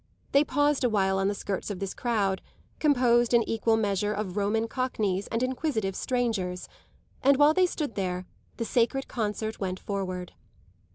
They paused a while on the skirts of this crowd, composed in equal measure of Roman cockneys and inquisitive strangers, and while they stood there the sacred concert went forward.